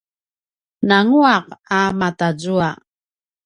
nangua’ a matazua